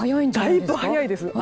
だいぶ早いです。